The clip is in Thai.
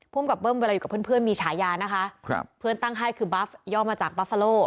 ผู้อำกับเบิ้ลเวลาอยู่กับเพื่อนมีฉายานะคะเพื่อนตั้งให้คือบัฟย่อมาจากบัฟเฟลโล